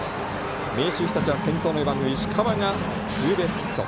明秀日立は先頭の４番の石川がツーベースヒット。